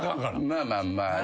まあまあまあな。